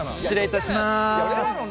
失礼いたします。